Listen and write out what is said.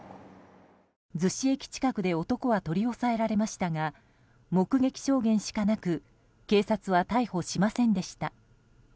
逗子駅近くで男は取り押さえられましたが目撃証言しかなく警察は逮捕しませんでした。